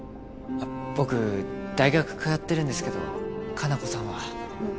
僕大学通ってるんですけどカナコさんは。